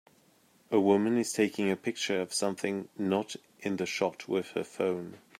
A woman is taking a picture of something not in the shot with her phone.